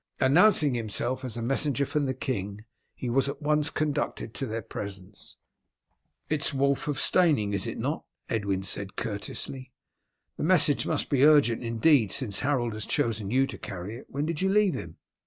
Announcing himself as a messenger from the king, he was at once conducted into their presence. "It is Wulf of Steyning, is it not?" Edwin said courteously. "The message must be urgent indeed since Harold has chosen you to carry it. When did you leave him?"